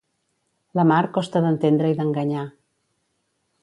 La mar costa d'entendre i d'enganyar.